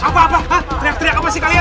apa apa teriak teriak apa sih kalian